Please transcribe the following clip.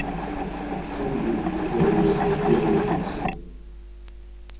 Mteli kyois gemimxasinu.